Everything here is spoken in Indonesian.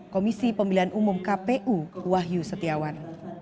komisi pemilihan umum kpu wahyu setiawan